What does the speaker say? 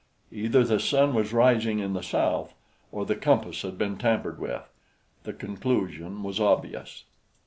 Either the sun was rising in the south, or the compass had been tampered with. The conclusion was obvious.